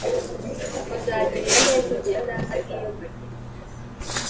muzagirira neza inzu ya data nk iyo mbagiriye